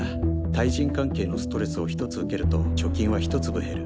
対人関係のストレスを１つ受けると貯金は１粒減る。